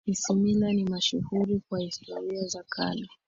isimila ni mashuhuri kwa historia za kale